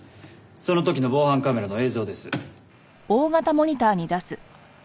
その時の防犯カメラの映像です。